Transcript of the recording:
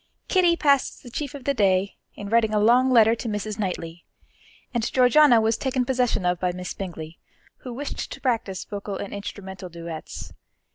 Kitty passed their chief of the day in writing a long letter to Mrs. Knightley, and Georgiana was taken possession of by Miss Bingley, who wished to practice vocal and instrumental duets.